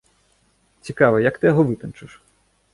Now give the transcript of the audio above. Цікава, як ты яго вытанчыш?